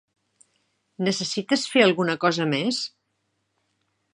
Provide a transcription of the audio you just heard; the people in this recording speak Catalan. Necessites fer alguna cosa més?